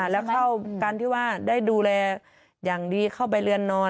แล้วเข้าการที่ว่าได้ดูแลอย่างดีเข้าไปเรือนนอน